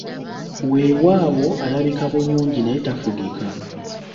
Weewaawo alabika bulungi naye tafugika.